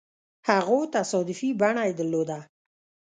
هغو تصادفي بڼه يې درلوده.